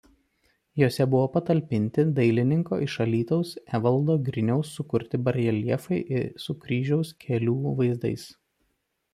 Jose buvo patalpinti dailininko iš Alytaus Evaldo Griniaus sukurti bareljefai su Kryžiaus kelių vaizdais.